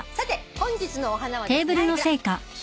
本日のお花はですね